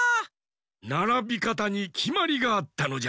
ならびかたにきまりがあったのじゃ。